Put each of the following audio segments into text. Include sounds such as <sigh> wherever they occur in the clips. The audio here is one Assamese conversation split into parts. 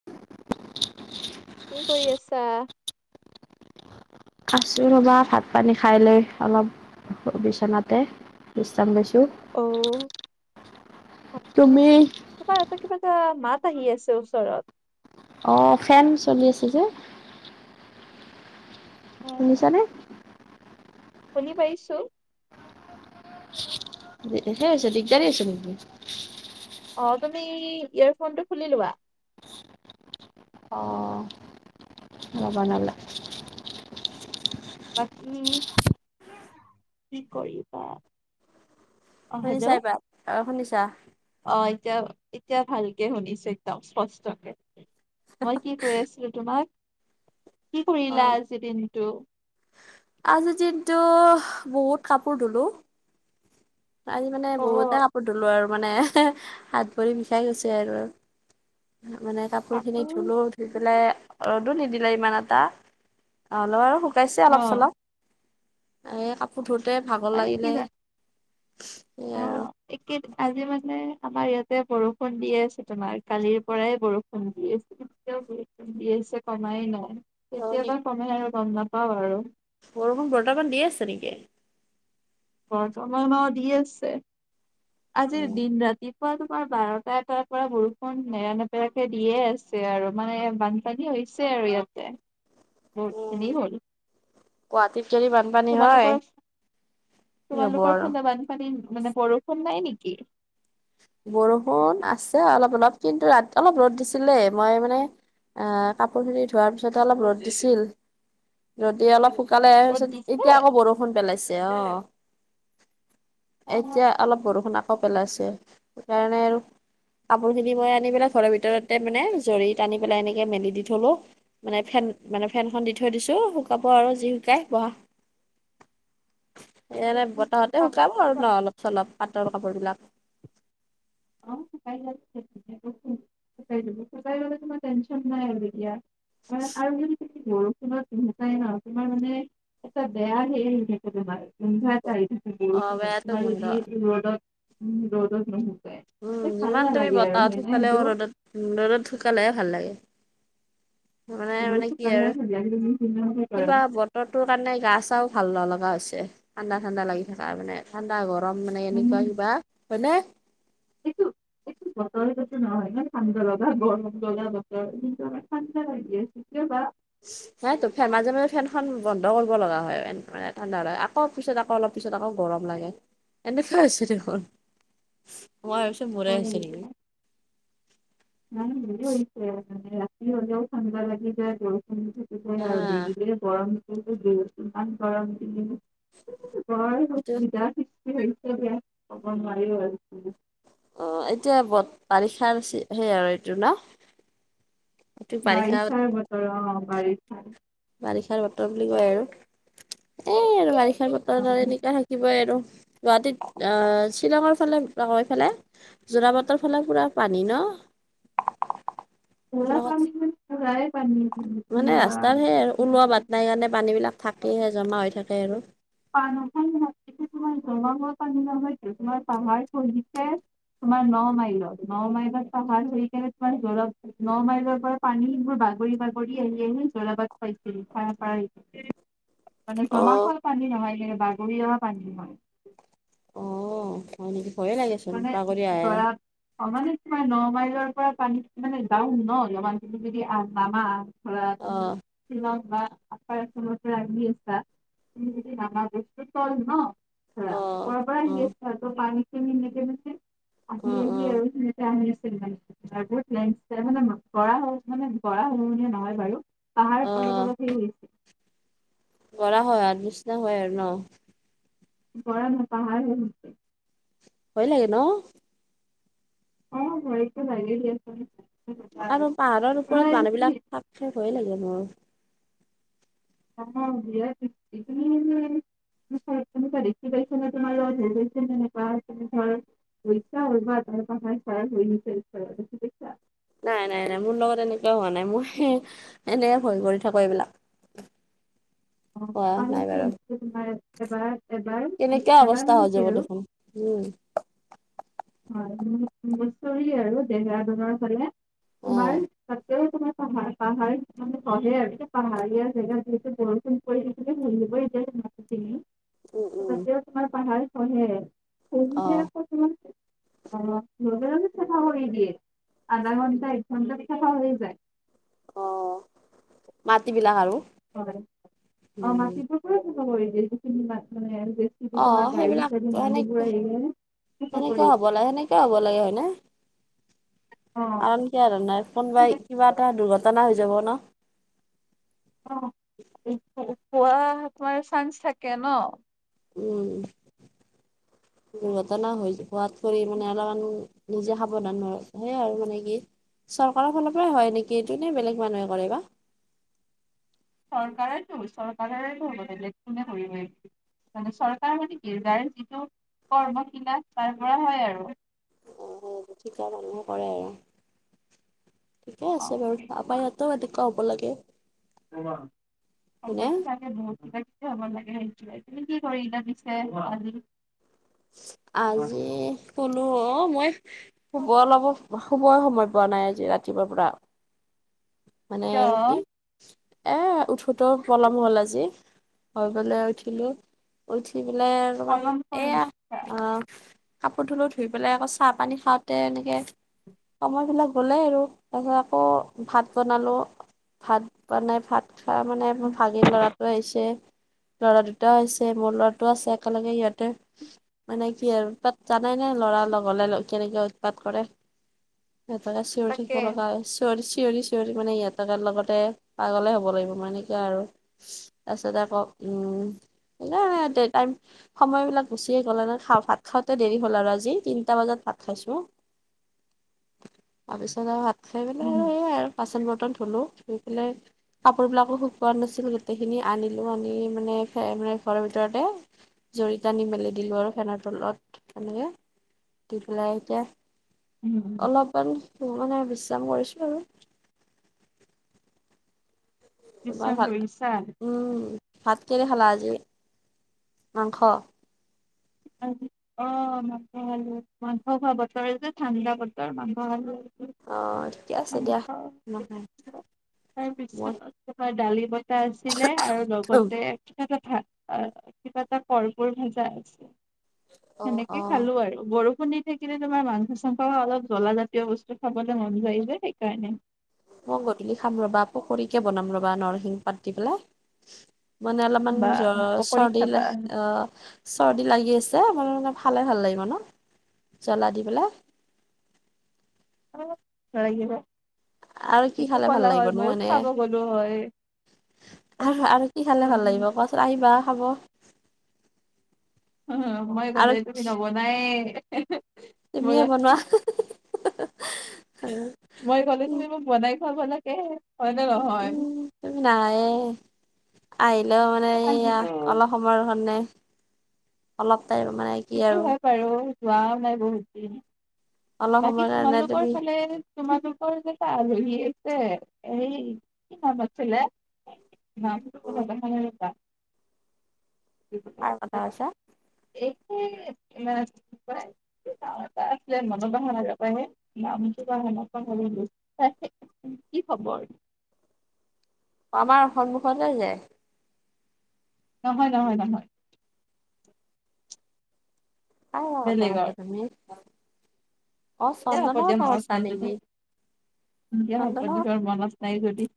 <unintelligible> কি কৰি আছা? আছোঁ ৰ'বা ভাত পানী খাই লৈ অলপ বিচনাতে বিশ্ৰাম লৈছোঁ। অ <unintelligible> তুমি কিবা এটা কিবা এটা মাত আহি আছে ওচৰত। অঁ, ফেন চলি আছে যে। অ শুনিছানে? শুনি পাইছো। <unintelligible> দিগদাৰী হৈছে নেকি? অ', তুমি ইয়েৰফোনটো খুলি লোৱা। অ'। অ' বনালা। বাকী কি কৰিছা? শুনিছা এইবাৰ? অ শুনিছা। অ এতিয়া এতিয়া ভালকে শুনিছো একদম স্পষ্টকে। মই কি কৈ আছিলো তোমাক? কি অ কৰিলা আজিৰ দিনটো? আজিৰ দিনটো বহুত কাপোৰ ধুলো। আজি মানে অ বহুতা ধুলো আৰু মানে হাত ভৰি বিষাই গৈছে আৰু মানে কাপোৰ কাপোৰ খিনি ধুলো, ধুই পেলাই ৰ'দো নিদিলে ইমান এটা। অ অ'লপ আৰু শুকাইছে অ অলপ চলপ। এ কাপোৰ ধোতে ভাগৰ মানে কি লাগিলে। জা সেয়াই অ। আৰু একেই, আজি মানে আমাৰ ইয়াতে বৰষুণ দি আছে তোমাৰ, কালিৰ পৰাই বৰষুণ দি আছে। এতিয়াও বৰষুণ দি আছে কমাই নাই। অ কেতিয়াবা নেকি কমে আৰু গম নাপাওঁ আৰু। বৰষুণ বৰ্তমান দি আছে নেকি? বৰ্তমান দি আছে। আজিৰ দিন ৰাতিত, <unintelligible> বাৰটা এটাৰ পৰা বৰষুণ নেৰানেপেৰাকে দিয়ে আছে আৰু মানে বান পানী হৈছে আৰু ইয়াতে। <unintelligible> বহুত খিনি হ'ল। গুৱাহাটীত যদি বানপানী হয় তোমালোকৰ কি হ'ব তোমালোকৰ আৰু। ফালে বানপানী মানে বৰষুণ নাই নেকি? বৰষুণ আছে অলপ অলপ কিন্তু ৰাতি অলপ ৰ'দ দিছিলে। মই মানে আহ কাপোৰ খিনি ধোৱাৰ পিছতে অলপ ৰ'দ দিছিল। যদি অলপ সোনকালে এৰ ৰ'দ সোন। দিছে এতিয়া আকৌ বৰষুণ পেলাইছে। অ। এতিয়া অলপ বৰষুণ আকৌ পেলাইছে। সেইকাৰণে আৰু কাপোৰখিনি মই আনি পেলাই ঘৰৰ ভিতৰতে মানে জৰিত আনি পেলাই এনেকে মেলি দি থলো। মানে ফেন মানে ফেনখন দি থৈ দিছো, শুকাব আৰু যি শুকাই। বহা। এৰে বতাহতে শুকাব আৰু অ ন অলপ চলপ পাটৰ কাপোৰ বিলাক। অ শুকাই যায়। <unintelligible> টেনচন নাই আৰু এতিয়া। মানে আৰু যদি বৰষুণত নোশুকাই ন, তোমাৰ মানে এটা বেয়া হেৰী সেইটো বেমাৰ তোমাৰ লিভাৰ চাই অ থাকিবি <inaudible> বেয়াটো তোমাৰ গোন্ধ যদি ৰদত - ৰদত নুশুকাই। উম, ভাল যিমান তুমি নালাগে আৰু বতাহত হয় নে শুকালেও সেইটো ৰ'দত - ৰ'দত শুকালে ভাল লাগে। মানে মানে কি আৰু কিবা ব বতৰ'টোৰ কাৰণে গা চাও ভাল নলগা হৈছে, ঠাণ্ডা - ঠাণ্ডা লাগি থাকা মানে ঠাণ্ডা গৰম মানে এনেকুৱা কিবা হয়নে? বতৰটোতো নহয় ইমান ঠাণ্ডা লগা গৰম লগা বতৰ কিন্তু আমাৰ ঠাণ্ডা লাগি আছে। সেইটোৱে বা চি, নাইতো ফে মাজে - মাজে ফেনখন বন্ধ কৰিব লগা হয় ফেন মানে ঠাণ্ডা এটা আক কৌ পিছত আকৌ অলপ পিছত আকৌ গৰম লাগে এনেকুৱা হৈছে দেখোন, মই টো মুৰাই হয় হৈছা নেকি? এতিয়া। নাই বৰিছে <inaudible> মানে ৰাতি হলেও ঠাণ্ডা লাগি যায় বৰু আৰু আহ বেঙ <inaudible> গৰমমান গৰম এইটো <unintelligible> অ এতিয়া বত বাৰিষাৰ চি সেই আৰু এইটো ন। এইটো বাৰিষা বাৰিষাৰ বতৰ অ বাৰিষাৰ। বাৰিষাৰ বতৰ বুলি কয় আৰু এ আৰু বাৰিষাৰ বতৰ আৰু পুৰা এনেকুৱা হে কিব আৰু গুৱাহাটীত আহ শ্বিলঙৰ ফালে <inaudible> ফালে যোৰা পাটৰ ফালে পুৰা পানী ন? জোৰা সেইবিলাকত পানীত মানে পুৰাই পানীচোন। মানে ৰাস্তাৰ সেই আৰু ওলোৱা বাট নাই কাৰণে পানীবিলাক থাকেইহে জমা হৈ থাকে আৰু। পানাখন <inaudible> তোমাৰ জমা হোৱা পানী নহয়তো তোমাৰ পাহাৰ পহিছে। তোমাৰ ন মাইলত, ন মাইলত পাহাৰ ধৰি কেনে তোমাৰ জৰ ন মাইলৰ পৰা পানীবোৰ বাগৰি - বাগৰি আহি আহি জ্বলাবাত খাইছিল খানাপাৰালৈকে। মানে অ'। জমাখাল পানী নহয় কে বাগৰি অহা পানী হয়। অ হয় নেকি ভয়ে লাগিছে। মানে গৰা অ মানে তা ন মাইলৰ পৰা পানী মানে ডাওন ন নামা যদি তুমি আগ যাবা পৰা তুমি অ', <unintelligible> বা আপাৰতে ৰান্ধি আছাদিন আমাৰ বস্তু তল ন পোৰা, অ'। ওপৰৰ পৰা আহি অ', আছে আকৌ পানীখিনি এনেকে এনেকে আহি অ', আহি অ', আৰু হি তে আহি আছিল গাড়ীটো আৰু বহুত <inaudible> মানে গৰাখহনীয়া নহয় বাৰু। তাৰ অলপ - অলপ সেই কৰা হয় আধ নিচিনা হয় আৰু ন। বৰা নহয় পাহাৰ হে হৈছে। ভয় লাগে ন? অ ভয়টো লাগে দিয়াচোন। আৰু তোমাৰ পাহাৰৰ ওপৰত তুমি মানুহবিলাক থাক থেক ভয়ে লাগে মোৰ। অ দিয়া <unintelligible> <unintelligible> হৈছা <unintelligible> উল বা আহ পাহ শাত হৈ দেছ নাই নাই নাই, মোৰ লগত এনেকুৱা হোৱা নাই, মই এনেকে ভয় কৰি থাকো এইবিলাক। অ হোৱা আৰু নাই বাৰু নিশ্চয় তোমাৰ এবাৰ এবাৰ তেনেকুৱা এবাৰ অৱস্থা হৈ মানে যাব খেলো। দেখোন উম। হয় হচৰি আৰু দেহেৰা বনৰ ফালে অ তোমাৰ <unintelligible> <unintelligible> পাহ পাহাৰ মানে পঢ়ে আৰু পাহাৰীয়া জেগাত যেহেতু বৰষুণ পৰি শুনিবই। তিয়াও উম উম তোমাৰ পাহাৰ খহে, অ খহি আকৌ তোমাৰ। অ লগো চফা হৈ দিয়ে আধা ঘণ্টা এক ঘণ্টাত চফা হৈ যায় <unintelligible> অ' মাট বিলাক আৰু উম উম। <unintelligible> কি তোমাৰ অ গাড়ী সেইবিলাক চি মানুহবোৰ সেনেকে আহা কৰিছে সেনেকুৱা হ'ব <inaudible> লাগে সেনেকুৱা হ'ব লাগে হয় ন? অ কাৰণ কিয় জানা কোনোবাই কিবা এটা দুৰ্ঘটনা হৈ যাব ন। অ' পোৱা তোমাৰ চান্স থাকে ন? উম দুৰ্ঘটনা হৈ হোৱাতকৈ মানে অলপমান। নিজে সাৱধান হয়, সেয়াই আৰু মানে কি। চৰকাৰৰ ফালৰ পৰাই হয় নেকি এইটো ন বেলেগ মানুহে কৰে বা? চৰকাৰো চৰকাৰতো হব তেনে কৰি <unintelligible> মানে চৰকাৰ মানে কি যাৰ যিটো কৰ্মশিলাস তাৰ পৰা হয় আৰু। অ', ঠিকা মানুহে কৰে আৰু ঠিকে অ আছে বাৰু হয়। তিৱা হব লাগে <unintelligible> অ বা হয়নে হ'ব লাগে সেইটো তুমি কি কৰিলা পিছে আজি আজি। শুলো অ' মই, শুব অলপ শুব সময় পোৱা নাই আজি ৰাতিপুৱাৰ পৰা। মানে কিয় আৰু কি এ' উঠোতে পলম হ'ল আজি। হৈ পেলাই উঠিলো, উঠি পেলাই অলমান পলম এয়া কৰিছা অহ। কাপোৰ ধুলো ধুই পেলাই আকৌ চাহ পানী খাওঁতে এনেকে। সময় বিলাক গলেই আৰু তাৰপিছত আকৌ। ভাত বনালোঁ, ভাত বনাই ভাত। তাৰ মানে মোৰ ভাগিন ল'ৰাটো আহিছে। ল'ৰা দুটাও হৈছে মোৰ ল'ৰাটো আছে একেলগে ইহঁতে। মানে কি আৰু তাত জানাই নে ল'ৰা লগলে কেনেকে উৎপাত কৰে। এটা শেৰী তাকে বল শ <unintelligible> চিঞৰি - চিঞৰি মানে ইহঁতে থকাৰ লগতে পাগলে হ'ব লাগিব সেনেকে আৰু। তাৰপিছত আকৌ উম সেয়াই। সময় বিলাক গুচিয়ে গ'ল আৰু খা ভাত খাওঁতে দেৰি হ'ল আৰু আজি তিনিটা বজাত ভাত খাইছো। তাৰপিছত আৰু ভাত খাই। পেলাই আৰু উম। সেয়াই আৰু বাচন- বৰ্তন ধলো, ধুই পেলাই। কাপোৰবিলাকো শুকোৱা নাছিল গোটেইখিনি আনিলোঁ আনি মানে মানে ঘৰৰ ভিতৰতে। জৰিতানি মেলি দিলো আৰু ফেনৰ তলত এনেকে। দি পেলাই এতিয়া উম অলপমান মানে বিশ্ৰাম কৰিছো। তোমাৰ বিশ্ৰাম ভাল, কৰিছা উম ভাত কিহে খালা আজি মাংস। অ <unintelligible> অ' মাংস খালো, মাংস খোৱা বতৰ যে ঠাণ্ডা বতৰ মাংস খালো অ', ঠিকে আছে দিয়া। নহয় তাৰ মই পিছত তোমাৰ দালি বতা আছিলে আৰু অ', লগতে কিবা এটা ভাত কিবা এটা কৰৰ্পোৰ ভাজা আছে সেনেকে অ', খালো আৰু বৰষুণেই সেই কিনে তোমাৰ মাংস চাংস বা অলপ জ্বলা জাতীয় বস্তু খাবলৈ মন যায় যে সেইকাৰণে মই গধূলি খাম ৰবা পুকৰীকে বনাম ৰবা নৰসিংহ পাত দি পেলাই মানে অলপমান বা জ্বৰ পকৰী খাবা চৰ্দিলে অ চৰ্দি লাগি আছে উম খালে ভাল লাগিব ন জ্বলা দি পেলাই <unintelligible> লাগিব আৰু কি মোকো খালে ভাল কলা হয় লাগিবনো মইয়ো এনে? খাব গলো হয় আৰু আৰু কি খালে ভাল লাগিব কোৱাচোন আহিবা খাব উম মই আৰু ক'লে তুমি নবনাই তুমিয়ে বনোৱা আৰু মই কলি তুমি মোক বনাই খোৱাব লাগে হয় নে নহয় নাই আহিলেও মানে এইয়া অলপ সময়ৰ কাৰণে অলপ টাইম মানে কি সেইটো আৰু হয় বাৰু যোৱাও নাই বহুত দিন অলপ বাকী সময় কাৰণে তোমালোকৰ তুমি ফালে তোমালোকৰ কেটা আলহী আছে সেই কি নাম আছিলে উম <unintelligible> হয় কাৰ কথা <unintelligible> কৈছা <unintelligible> হয় কি খবৰ আমাৰ সন্মুখতে যে নহয় নহয় নহয় অ সঁচা কথা বেলেগৰ তুমি অ দে হ'ব চন্দনৰ দে কথা অলপ কৈছা মান নেকি <unintelligible> দে হ'ব দে চন্দনৰ তোৰ মনত নাই যদি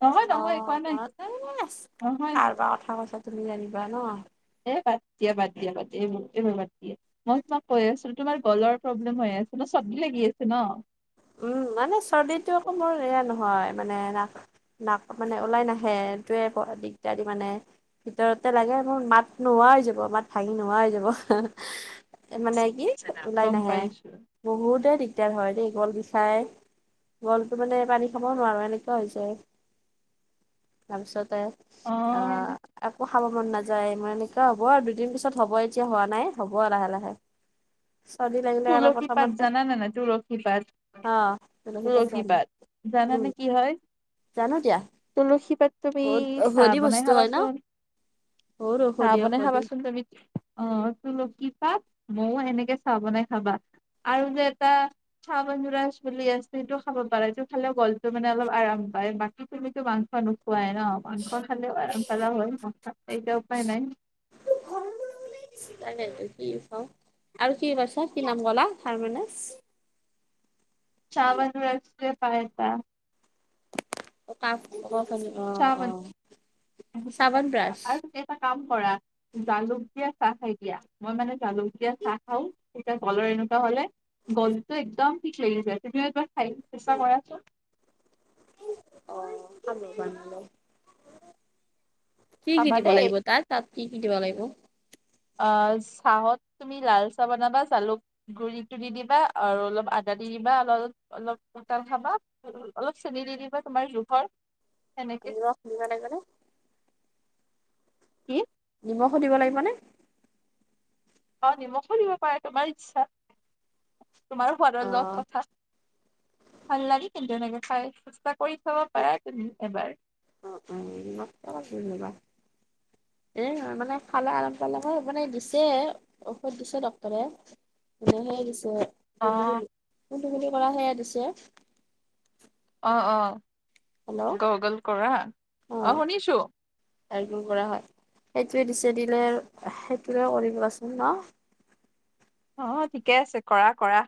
নহয় অ নহয় কোৱা নাই ঘৰতে এনে আছো নহয় কাৰ বা কথা কৈছা তুমি তুমি জানিবা ন এ বাদ দিয়া বাদ দিয়া <unintelligible> মই তোমাক কৈ আছো তোমাৰ গলৰ প্ৰব্লেম হৈ আছে ন চৰ্দি লাগি আছে ন উম মানে চৰ্দিটো আকৌ মোৰ এয়া নহয় মানে মাত টো মানে ওলাই নাহে সেই তোৱে বৰ দিগদাৰি মানে ভিতৰতে লাগে মোৰ মাত নোহোৱা হৈ যাব মাত ভাঙি নোহোৱা হৈ যাব মানে কি ওলাই গম নাহে পাইছো বহুতে দিগদাৰ হয় দেই গল খাই গলটো মানে পানী খাবও নোৱাৰো এনেকুৱা হৈ যায় তাৰপিছতে অ আহ আকো খাব মন নাযায় মোৰ এনেকুৱা হ'ব আৰু দুদিন পিছত হ'ব এতিয়া হোৱা নাই হ'ব লাহে লাহে <unintelligible> চৰ্ডি লাগে তুলসী পাত জানা নাই নাই তুলসী পাত অ তুলসী পাত জানো তুলসীপাত জানানে উম নাই কি হয় জানো দিয়া তুলসী পাত তুমি বহুত চাহ ঔষধি বনাই বস্তু হয় ন খাবাচোন বহুত চাহ ঔষধি বনাই ঔষধি খাবাচোন তুমি অ তুলসী পাত মইয়ও সেনেকে চাহ বনাই খাবা আৰু যে এটা চাহ <unintelligible> বুলি আছে সেইটোও খাব পাৰা এইটো খালে গলটো মানে অলপ আৰাম পায় বাকী তুমিতো মাংস নোখোৱা খুৱাই ন মাংস খালেও <unintelligible> হয় মা এইতিয়া উপায় নাই কি হয় ন আৰু কি কৈছা কি নাম কলা <unintelligible> <unintelligible> পাই এটা <unintelligible> <unintelligible> চাবান ব্ৰাছ এটা কাম কৰা জালুক দিয়া চাহ খাই দিয়া মই মানে জালুক দিয়া চাহ খাওঁ। তেতিয়া গলৰ এনেকুৱা হ'লে গলটো একদম ঠিক লাগি যায় তুমিও এবাৰ খাই চেষ্টা কৰাছোন কি কি খাবা দিব দেই লাগিব তাত? তাত কি কি দিব লাগিব? অ চাহত তুমি লাল চাহ বনাবা জালুক, গুড়িটো দি দিবা আৰু অলপ আদা দি দিবা অল অলপ কোতাল খাবা অলপ চেনি দি দিবা তোমাৰ জোখৰ সেনেকে নিমখ দিব লাগিব নে কি নিমখো দিব লাগিব নে? অ নিমখো দিব পাৰে তোমাৰ ইচ্ছা তোমাৰ সোৱাদৰ অ লগত কথা। ভাল লাগি কিন্তু এনেকে খাই চেস্থা কৰি চাব পাৰা তুমি এবাৰ অ অ নিমখ টো <unintelligible> এ মানে খালে আৰাম পালে হয় মানে দিছে ঔষধ দিছে ডক্টৰে মানে হে দিছে অ' <unintelligible> কৰা সেয়া দিছে অ অ হেল্ল' গুগল কৰা অ শুনিছোঁ। এইবোৰ কৰা হয় সেইটোৱে দিছে দিলে আৰু সেইটোৰে কৰিবচোন ন অ অ ঠিকে আছে কৰা কৰা।